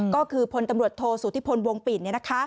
ก็คือพลตำรวจโทษสุธิพลวงปิ่น